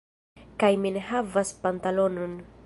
Kaj mi ne havas pantalonon.